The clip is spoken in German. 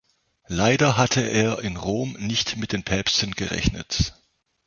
Leider hatte er in Rom nicht mit den Päpsten gerechnet.